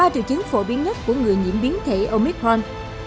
ba triệu chứng phổ biến nhất của người nhiễm biến thể omicron